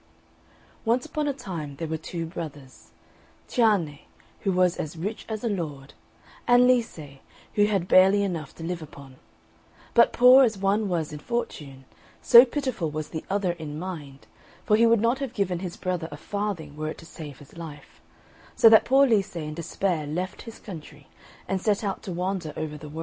Once upon a time there were two brothers Cianne, who was as rich as a lord, and Lise, who had barely enough to live upon: but poor as one was in fortune, so pitiful was the other in mind, for he would not have given his brother a farthing were it to save his life; so that poor Lise in despair left his country, and set out to wander over the world.